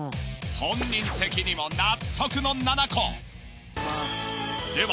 本人的にも納得の７個。